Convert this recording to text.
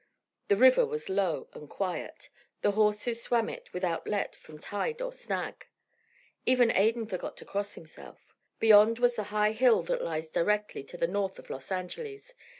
The river was low and quiet. The horses swam it without let from tide or snag. Even Adan forgot to cross himself. Beyond was the high hill that lies directly to the north of Los Angeles.